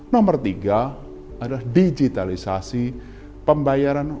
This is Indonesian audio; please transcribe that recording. nomor tiga adalah digitalisasi pembayaran